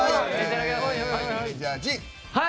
じゃあ、迅。